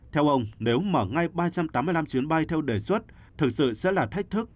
theo ông nếu mở ngay ba trăm tám mươi năm chuyến bay theo đề xuất thực sự sẽ là thách thức